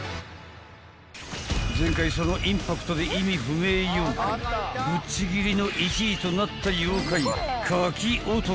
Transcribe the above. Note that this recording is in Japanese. ［前回そのインパクトで意味不明妖怪ぶっちぎりの１位となった妖怪柿男］